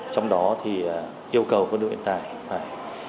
trong đó thì yêu cầu quân đội nhân tài phải